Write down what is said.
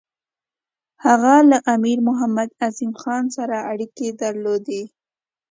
هغه له امیر محمد اعظم خان سره اړیکې درلودې.